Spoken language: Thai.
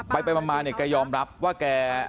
ไปมาเนี่ยแกยอมรับว่าแก